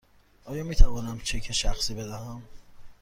آیا می توانم چک شخصی بدهم؟